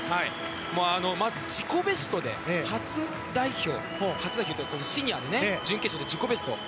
まず自己ベストで初代表シニアのね準決勝で自己ベスト。